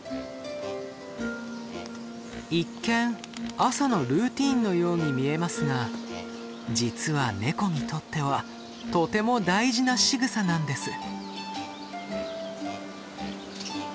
一見朝のルーティンのように見えますが実はネコにとってはとても大事なしぐさなんです。